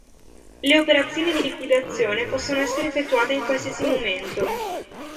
Le operazioni di liquidazione possono essere effettuate in qualsiasi momento.